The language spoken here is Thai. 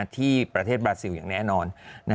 ที่ประเทศบราซิลอย่างแน่นอน